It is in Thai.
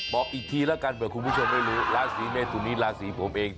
บอกอีกทีแล้วกันเผื่อคุณผู้ชมไม่รู้ราศีเมทุนนี้ราศีผมเอง